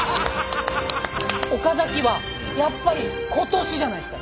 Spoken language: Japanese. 岡崎はやっぱり今年じゃないですか。